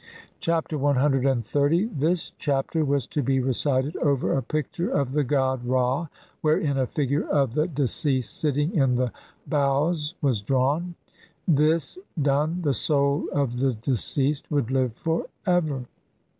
Chap. CXXX. This Chapter was to be recited over a picture of the god Ra wherein a figure of the de ceased sitting in the bows was drawn ; this done the soul of the deceased would live for ever.